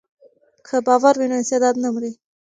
که باور وي نو استعداد نه مري.